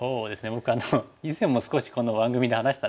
僕以前も少しこの番組で話したんですけど。